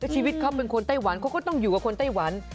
ชีวิตเขาเป็นคนไต้หวันเขาก็ต้องอยู่กับคนไต้หวัน